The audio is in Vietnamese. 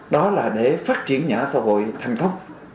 đó là để phát triển nhà ở xã hội thành công